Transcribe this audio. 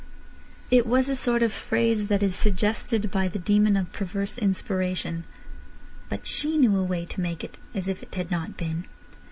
It was a sort of phrase that is suggested by the demon of perverse inspiration. But she knew a way to make it as if it had not been.